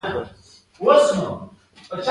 ادرانالین خطر کې زیاتېږي.